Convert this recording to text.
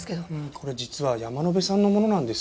これ実は山野辺さんのものなんです。